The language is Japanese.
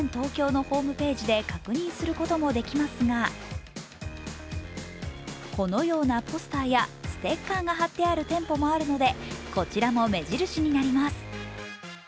Ｔｏｋｙｏのホームページで確認することもできますがこのようなポスターやステッカーが貼ってある店舗もあるのでこちらも目印になまります。